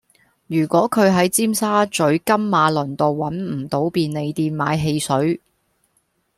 如果佢喺尖沙咀金馬倫道搵唔到便利店買汽水